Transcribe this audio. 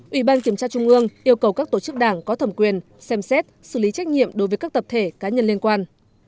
ủy ban kiểm tra trung ương yêu cầu các tổ chức đảng có thẩm quyền xem xét xử lý trách nhiệm đối với các tập thể cá nhân liên quan